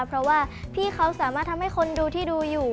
เพราะว่าพี่เขาสามารถทำให้คนดูที่ดูอยู่